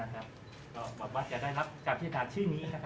ก็แบบว่าจะได้รับแบบที่แนนอาร์ดชื่อนี้